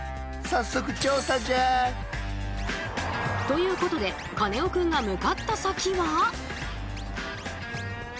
ということでカネオくんが向かった先は。